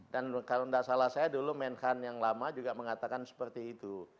dan kalau tidak salah saya dulu mengan yang lama juga mengatakan seperti itu